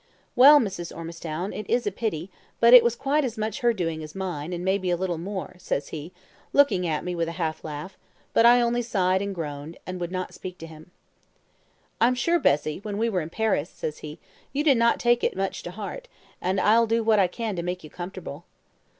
"'Well, Mrs. Ormistown, it is a pity, but it was quite as much her doing as mine, and maybe a little more,' says he, looking at me with a half laugh; but I only sighed and groaned, and would not speak to him. "'I'm sure, Bessie, when we were in Paris,' says he, 'you did not take it much to heart; and I'll do what I can to make you comfortable.'